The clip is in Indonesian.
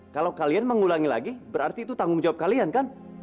kalau kalian mengulangi lagi berarti itu tanggung jawab kalian kan